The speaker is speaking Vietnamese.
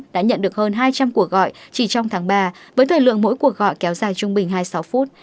đã nhận được hơn hai trăm linh cuộc gọi chỉ trong tháng ba với thời lượng mỗi cuộc gọi kéo dài trung bình hai mươi sáu phút